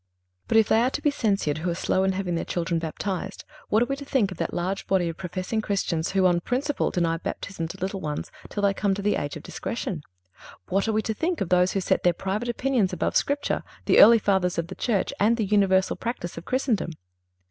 But if they are to be censured who are slow in having their children baptized, what are we to think of that large body of professing Christians who, on principle, deny Baptism to little ones till they come to the age of discretion? What are we to think of those who set their private opinions above Scripture, the early Fathers of the Church and the universal practice of Christendom?